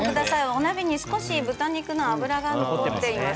お鍋に少し豚肉の脂が残っています。